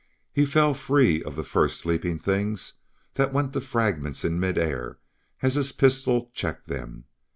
He fell free of the first leaping things that went to fragments in mid air as his pistol checked them.